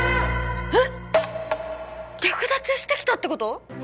えっ略奪してきたってこと？